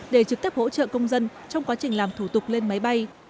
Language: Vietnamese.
để trực tiếp hỗ trợ công dân trong quá trình làm thủ tục lên máy bay